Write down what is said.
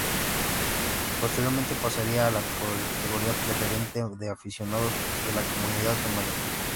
Posteriormente pasaría a la Categoría Preferente de Aficionados de la Comunidad de Madrid.